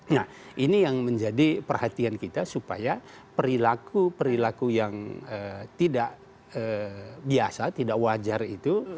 nah ini yang menjadi perhatian kita supaya perilaku perilaku yang tidak biasa tidak wajar itu